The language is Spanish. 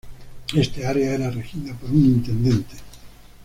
Esta área era regida por un intendente.